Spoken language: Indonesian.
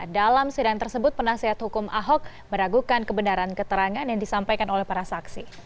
dalam sidang tersebut penasihat hukum ahok meragukan kebenaran keterangan yang disampaikan oleh para saksi